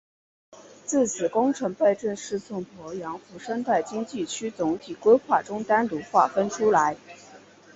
自此工程被正式从鄱阳湖生态经济区总体规划中单独划分出来。